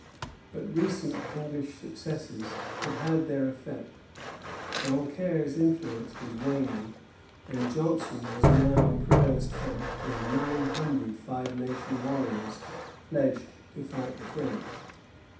But recent English successes had had their effect. Joncaire's influence was waning, and Johnson was now in Prideaux's camp with nine hundred Five Nation warriors pledged to fight the French.